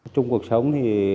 trong cuộc sống thì